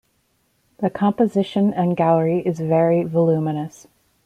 The composition in Gauri is very voluminous.